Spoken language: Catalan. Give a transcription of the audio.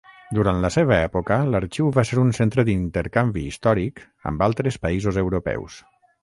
Durant la seva època, l'arxiu va ser un centre d'intercanvi històric amb altres països europeus.